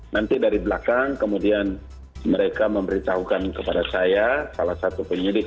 nanti dari belakang kemudian mereka memberitahukan kepada saya salah satu penyidik